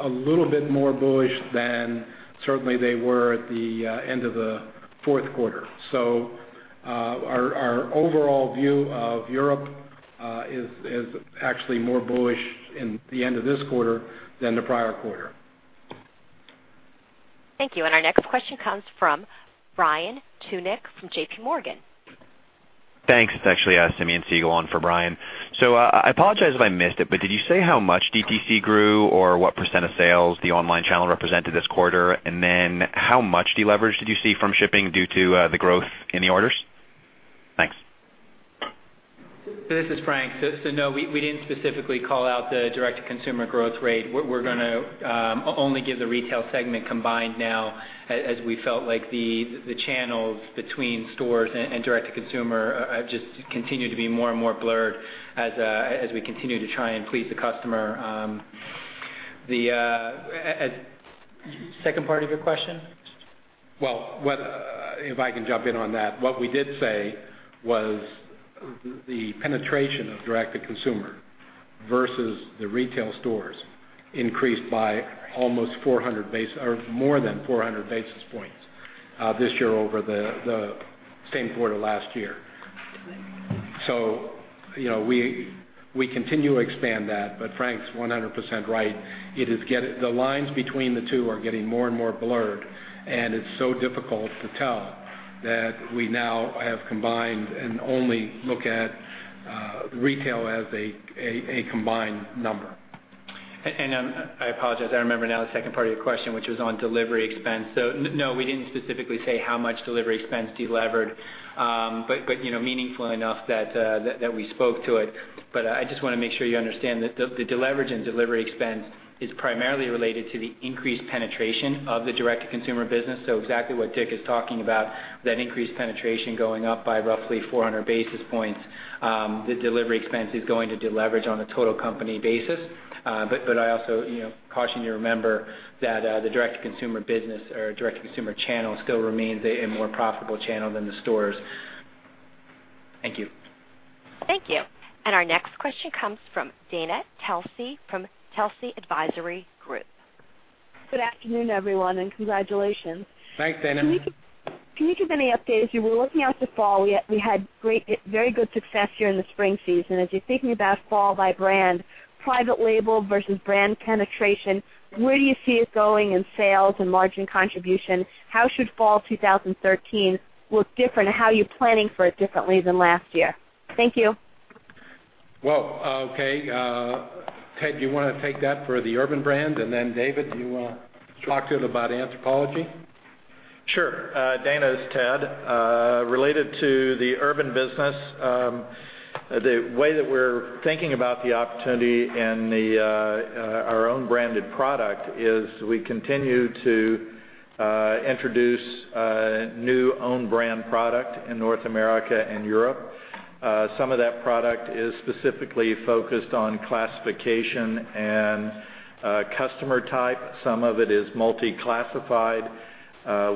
a little bit more bullish than certainly they were at the end of the fourth quarter. Our overall view of Europe is actually more bullish in the end of this quarter than the prior quarter. Thank you. Our next question comes from Brian Tunick from JPMorgan. Thanks. It's actually Simeon Siegel on for Brian. I apologize if I missed it, but did you say how much DTC grew or what % of sales the online channel represented this quarter? How much deleverage did you see from shipping due to the growth in the orders? Thanks. This is Frank. No, we didn't specifically call out the direct-to-consumer growth rate. We're going to only give the retail segment combined now as we felt like the channels between stores and direct-to-consumer have just continued to be more and more blurred as we continue to try and please the customer. The second part of your question? Well, if I can jump in on that. What we did say was the penetration of direct-to-consumer versus the retail stores increased by almost more than 400 basis points this year over the same quarter last year. We continue to expand that, but Frank's 100% right. The lines between the two are getting more and more blurred, and it's so difficult to tell That we now have combined and only look at retail as a combined number. I apologize, I remember now the second part of your question, which was on delivery expense. No, we didn't specifically say how much delivery expense delevered. Meaningful enough that we spoke to it. I just want to make sure you understand that the de-leverage in delivery expense is primarily related to the increased penetration of the direct-to-consumer business. Exactly what Dick is talking about, that increased penetration going up by roughly 400 basis points. The delivery expense is going to de-leverage on a total company basis. I also caution you to remember that the direct-to-consumer business or direct-to-consumer channel still remains a more profitable channel than the stores. Thank you. Thank you. Our next question comes from Dana Telsey from Telsey Advisory Group. Good afternoon, everyone, and congratulations. Thanks, Dana. Can you give any updates? You were looking out to fall. We had very good success here in the spring season. As you're thinking about fall by brand, private label versus brand penetration, where do you see it going in sales and margin contribution? How should fall 2013 look different? How are you planning for it differently than last year? Thank you. Well, okay. Ted, do you want to take that for the Urban brand? David, do you want to talk to it about Anthropologie? Sure. Dana, it's Ted. Related to the Urban business, the way that we're thinking about the opportunity and our own branded product is we continue to introduce new own brand product in North America and Europe. Some of that product is specifically focused on classification and customer type. Some of it is multi-classified.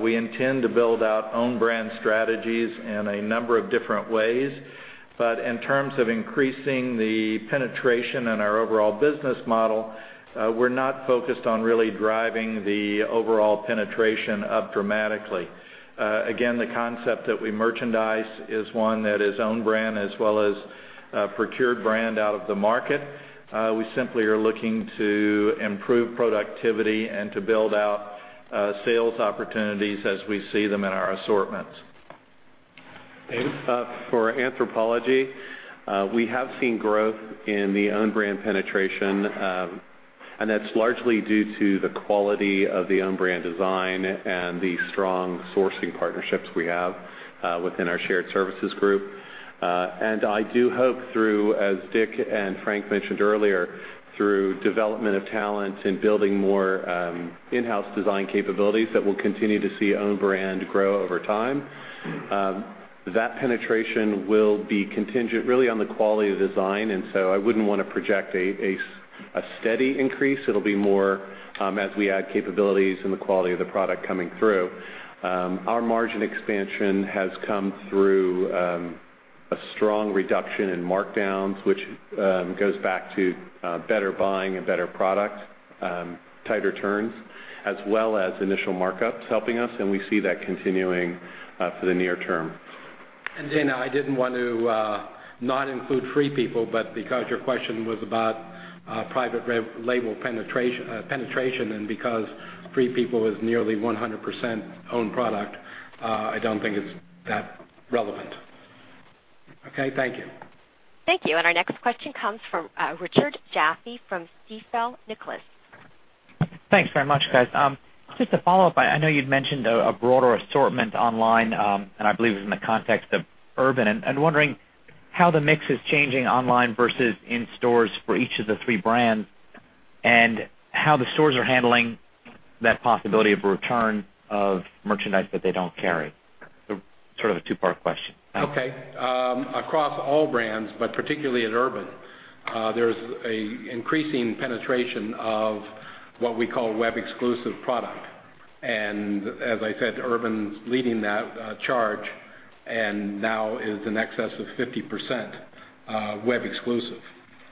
We intend to build out own brand strategies in a number of different ways. In terms of increasing the penetration in our overall business model, we're not focused on really driving the overall penetration up dramatically. Again, the concept that we merchandise is one that is own brand as well as procured brand out of the market. We simply are looking to improve productivity and to build out sales opportunities as we see them in our assortments. David. For Anthropologie, we have seen growth in the own brand penetration, that's largely due to the quality of the own brand design and the strong sourcing partnerships we have within our shared services group. I do hope through, as Dick and Frank mentioned earlier, through development of talent and building more in-house design capabilities that we'll continue to see own brand grow over time. That penetration will be contingent really on the quality of design, so I wouldn't want to project a steady increase. It'll be more as we add capabilities and the quality of the product coming through. Our margin expansion has come through a strong reduction in markdowns, which goes back to better buying and better product, tighter turns, as well as initial markups helping us, and we see that continuing for the near term. Dana, I didn't want to not include Free People, because your question was about private label penetration, because Free People is nearly 100% own product, I don't think it's that relevant. Okay, thank you. Thank you. Our next question comes from Richard Jaffe from Stifel, Nicolaus. Thanks very much, guys. Just to follow up, I know you'd mentioned a broader assortment online, and I believe it was in the context of Urban. I'm wondering how the mix is changing online versus in stores for each of the three brands and how the stores are handling that possibility of a return of merchandise that they don't carry. Sort of a two-part question. Okay. Across all brands, but particularly at Urban, there's an increasing penetration of what we call web-exclusive product. As I said, Urban's leading that charge and now is in excess of 50% web exclusive.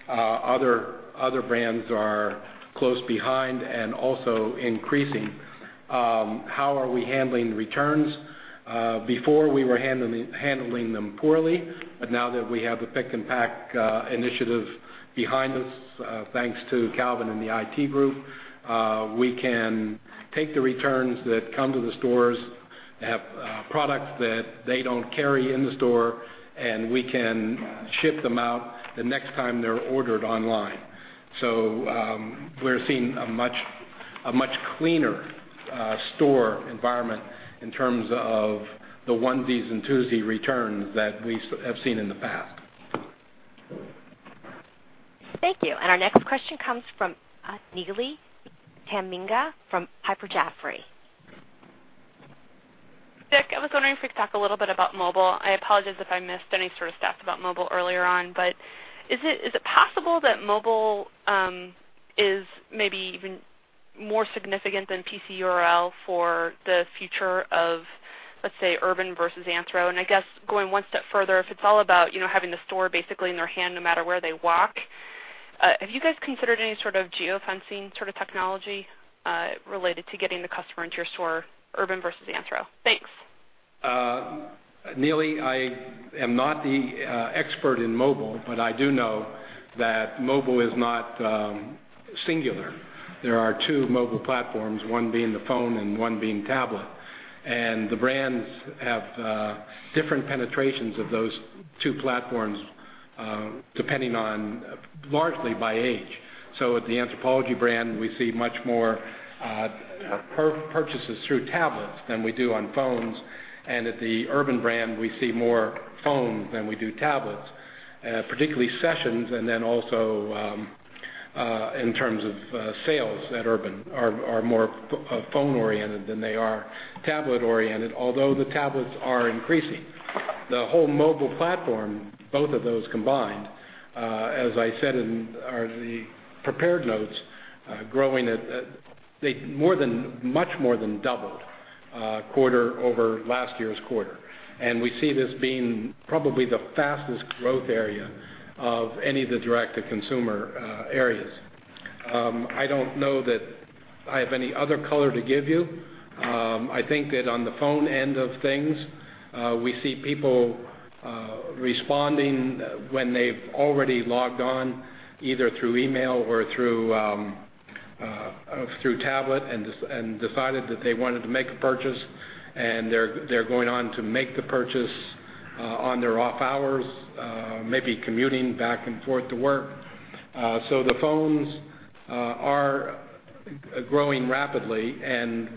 Other brands are close behind and also increasing. How are we handling the returns? Before, we were handling them poorly. Now that we have the pick-and-pack initiative behind us, thanks to Calvin and the IT group, we can take the returns that come to the stores, have products that they don't carry in the store, and we can ship them out the next time they're ordered online. We're seeing a much cleaner store environment in terms of the onesie and twosie returns that we have seen in the past. Thank you. Our next question comes from Neely Tamminga from Piper Jaffray. Dick, I was wondering if we could talk a little bit about mobile. I apologize if I missed any sort of stats about mobile earlier on. Is it possible that mobile is maybe even more significant than PC URL for the future of, let's say, Urban versus Anthro? I guess going one step further, if it's all about having the store basically in their hand no matter where they walk, have you guys considered any sort of geo-fencing sort of technology related to getting the customer into your store, Urban versus Anthro? Thanks. Neely, I am not the expert in mobile, but I do know that mobile is not singular. There are two mobile platforms, one being the phone and one being tablet. The brands have different penetrations of those two platforms, depending largely by age. At the Anthropologie brand, we see many more purchases through tablets than we do on phones. At the Urban brand, we see more phones than we do tablets. Particularly sessions and then also in terms of sales at Urban are more phone-oriented than they are tablet-oriented. Although the tablets are increasing. The whole mobile platform, both of those combined, as I said in the prepared notes, much more than doubled quarter over last year's quarter. We see this being probably the fastest growth area of any of the direct-to-consumer areas. I don't know that I have any other color to give you. I think that on the phone end of things, we see people responding when they've already logged on, either through email or through tablet, and decided that they wanted to make a purchase, and they're going on to make the purchase on their off hours, maybe commuting back and forth to work. The phones are growing rapidly, and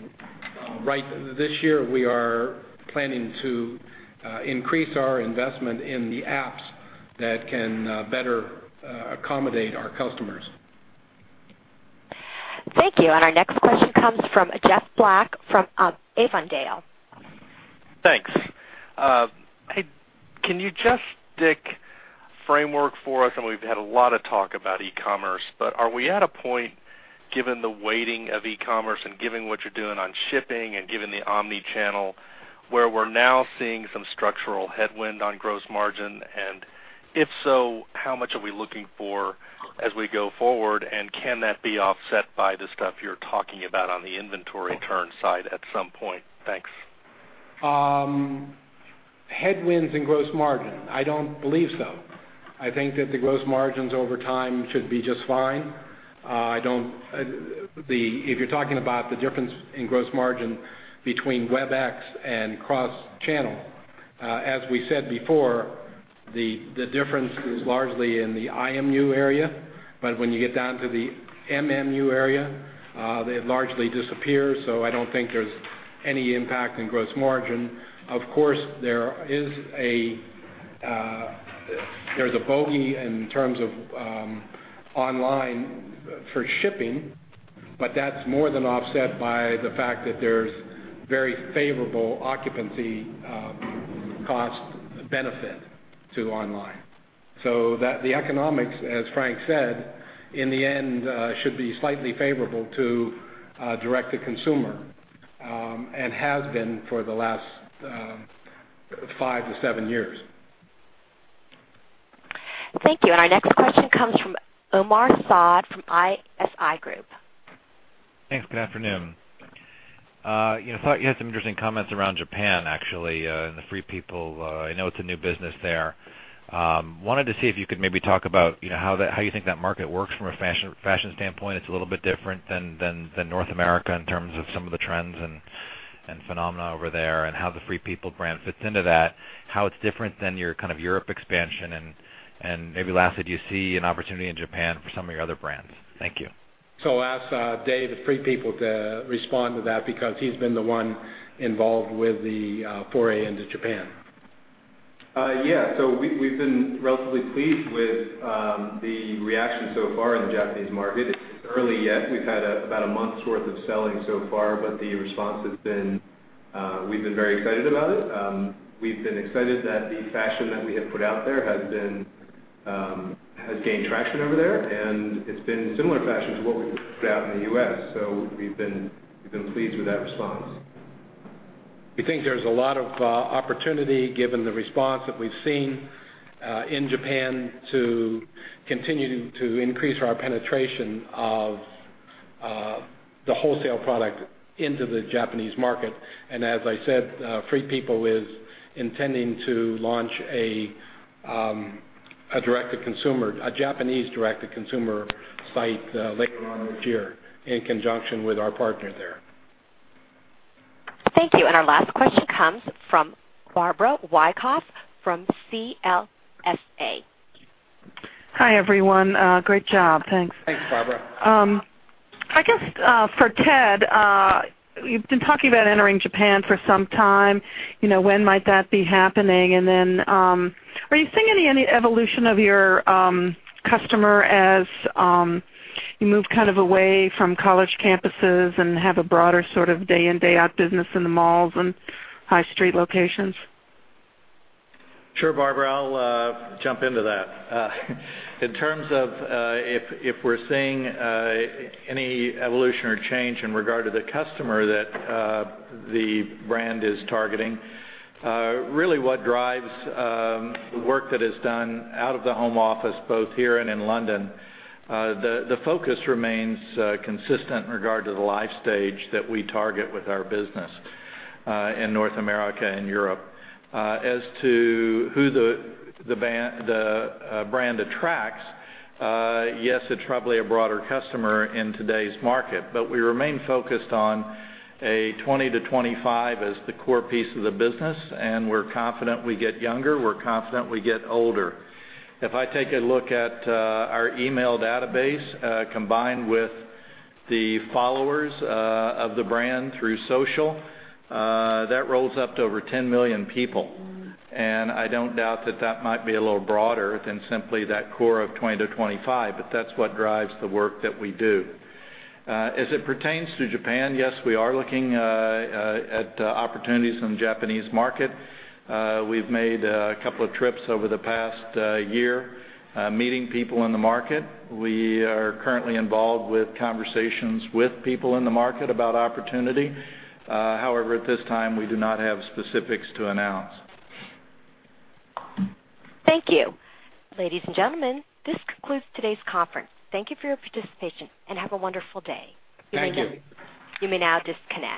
this year we are planning to increase our investment in the apps that can better accommodate our customers. Thank you. Our next question comes from Jeff Black from Avondale. Thanks. Hey, can you just stick framework for us, we've had a lot of talk about e-commerce, but are we at a point, given the weighting of e-commerce and given what you're doing on shipping and given the omni-channel, where we're now seeing some structural headwind on gross margin? If so, how much are we looking for as we go forward, and can that be offset by the stuff you're talking about on the inventory turn side at some point? Thanks. Headwinds in gross margin. I don't believe so. I think that the gross margins over time should be just fine. If you're talking about the difference in gross margin between web exclusive and cross-channel, as we said before, the difference is largely in the IMU area, but when you get down to the MMU area, they largely disappear. I don't think there's any impact on gross margin. Of course, there's a bogey in terms of online for shipping, but that's more than offset by the fact that there's very favorable occupancy cost benefit to online. The economics, as Frank said, in the end, should be slightly favorable to direct-to-consumer, and has been for the last five to seven years. Thank you. Our next question comes from Omar Saad from ISI Group. Thanks. Good afternoon. Thought you had some interesting comments around Japan, actually, and the Free People. I know it's a new business there. Wanted to see if you could maybe talk about how you think that market works from a fashion standpoint. It's a little bit different than North America in terms of some of the trends and phenomena over there, and how the Free People brand fits into that, how it's different than your Europe expansion, and maybe lastly, do you see an opportunity in Japan for some of your other brands? Thank you. I'll ask Dave at Free People to respond to that because he's been the one involved with the foray into Japan. We've been relatively pleased with the reaction so far in the Japanese market. It's early yet. We've had about a month's worth of selling so far, but the response, we've been very excited about it. We've been excited that the fashion that we have put out there has gained traction over there, and it's been similar fashion to what we've put out in the U.S. We've been pleased with that response. We think there's a lot of opportunity, given the response that we've seen in Japan to continue to increase our penetration of the wholesale product into the Japanese market. As I said, Free People is intending to launch a Japanese direct-to-consumer site later on this year in conjunction with our partner there. Thank you. Our last question comes from Barbara Wyckoff from CLSA. Hi, everyone. Great job. Thanks. Thanks, Barbara. I guess for Ted, you've been talking about entering Japan for some time. When might that be happening? Are you seeing any evolution of your customer as you move away from college campuses and have a broader sort of day in, day out business in the malls and high street locations? Sure, Barbara, I'll jump into that. In terms of if we're seeing any evolution or change in regard to the customer that the brand is targeting, really what drives the work that is done out of the home office, both here and in London, the focus remains consistent in regard to the life stage that we target with our business in North America and Europe. As to who the brand attracts, yes, it's probably a broader customer in today's market, but we remain focused on a 20-25 as the core piece of the business, and we're confident we get younger, we're confident we get older. If I take a look at our email database, combined with the followers of the brand through social, that rolls up to over 10 million people. I don't doubt that that might be a little broader than simply that core of 20-25, but that's what drives the work that we do. As it pertains to Japan, yes, we are looking at opportunities in the Japanese market. We've made a couple of trips over the past year meeting people in the market. We are currently involved with conversations with people in the market about opportunity. However, at this time, we do not have specifics to announce. Thank you. Ladies and gentlemen, this concludes today's conference. Thank you for your participation, and have a wonderful day. Thank you. You may now disconnect.